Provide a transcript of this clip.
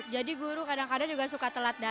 jadi guru kadang kadang juga suka telat datang